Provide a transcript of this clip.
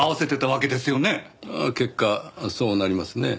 結果そうなりますねぇ。